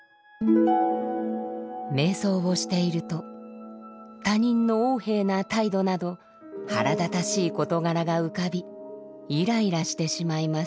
瞑想をしていると他人の横柄な態度など腹立たしい事柄が浮かびイライラしてしまいます。